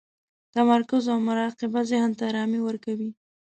تمرکز او مراقبه ذهن ته ارامي ورکوي.